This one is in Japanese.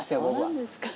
そうなんですか。